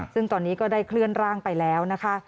ซึ่งตอนนี้ก็ได้เคลื่อนร่างไปแล้วนะคะ